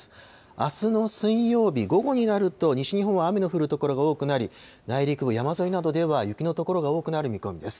あすの水曜日午後になると、西日本は雨の降る所が多くなり、内陸部、山沿いなどでは雪の所が多くなる見込みです。